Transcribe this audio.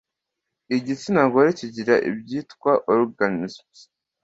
igitsina gore kigira ibyitwa orgasms